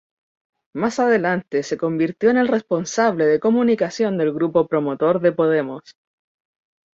Más adelante se convirtió en el responsable de Comunicación del grupo promotor de Podemos.